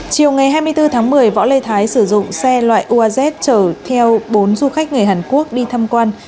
chiều ngày hai mươi bốn tháng một mươi võ lê thái sử dụng xe loại uaz chở theo bốn du khách người hàn quốc đi thăm quan